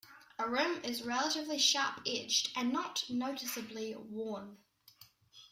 The rim is relatively sharp-edged and not noticeably worn.